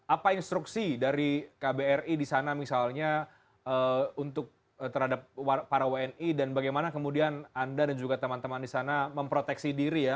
apa instruksi dari kbri di sana misalnya untuk terhadap para wni dan bagaimana kemudian anda dan juga teman teman di sana memproteksi diri ya